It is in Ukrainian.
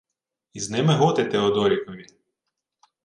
— Із ними готи Теодорікові.